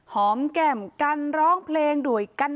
หอมแก้มกันร้องเพลงด้วยกัน